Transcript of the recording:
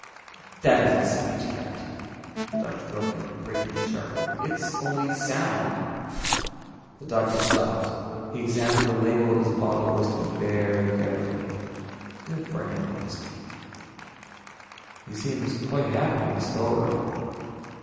"That isn't speech, Captain," the doctor broke in, breaking in sharply, "It's only sound." The doctor stopped; he examined the label of his bottle of whiskey very carefully. A good brand of whiskey. "He seems quite happy in the storeroom.